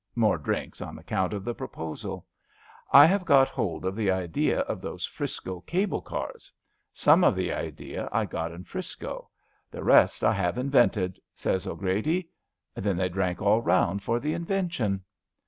More drinks on account of the proposal. * I have got hold of the idea of those 'Frisco cable cars. Some of the idea I got in 'Frisco. The rest I have invented,' says 'Grady. Then they drank all round for the invention.